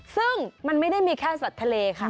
ซึ่งมันไม่ได้มีแค่สัตว์ทะเลค่ะ